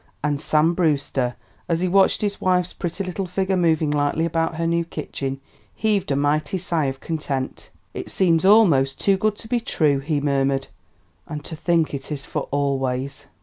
And Sam Brewster, as he watched his wife's pretty little figure moving lightly about her new kitchen, heaved a mighty sigh of content. "It seems almost too good to be true!" he murmured. "And to think it is for always!"